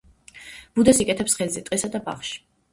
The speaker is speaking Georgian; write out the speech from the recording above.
ბუდეს იკეთებს ხეზე ტყესა და ბაღში.